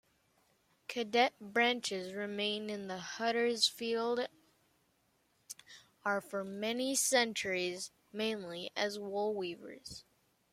Cadet branches remained in the Huddersfield are for many centuries mainly as wool weavers.